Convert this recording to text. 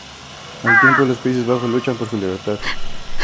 Al tiempo, los Países Bajos luchan por su libertad.